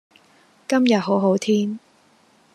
今日好好天